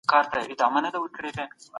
درخانۍ